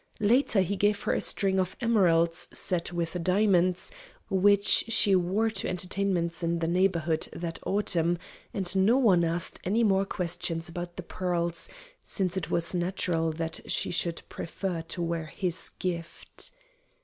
Later he gave her a string of emeralds set with diamonds, which she wore to entertainments in the Neighborhood that autumn, and no one asked any more questions about the pearls, since it was natural that she should prefer to wear his gift.